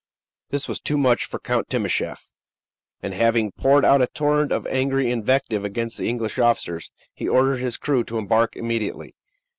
This was too much for Count Timascheff, and having poured out a torrent of angry invective against the English officers, he ordered his crew to embark immediately.